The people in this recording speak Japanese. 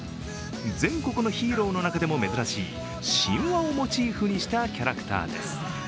全国のヒーローの中でも珍しい神話をモチーフにしたキャラクターです。